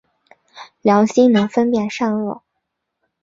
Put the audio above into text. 良心能分辨善恶。